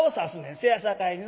せやさかいにな